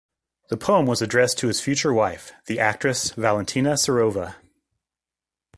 The poem was addressed to his future wife, the actress Valentina Serova.